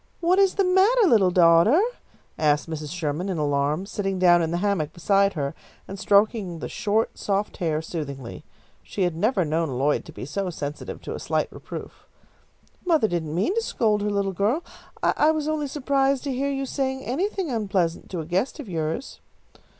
"What is the matter, little daughter?" asked Mrs. Sherman, in alarm, sitting down in the hammock beside her and stroking the short soft hair soothingly. She had never known Lloyd to be so sensitive to a slight reproof. "Mother didn't mean to scold her little girl. I was only surprised to hear you saying anything unpleasant to a guest of yours."